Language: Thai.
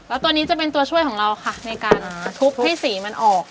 แล้วตัวนี้จะเป็นตัวช่วยของเราค่ะในการทุบให้สีมันออก